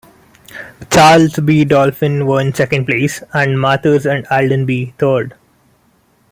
Charles B. Dolphin won second place, and Mathers and Haldenby third.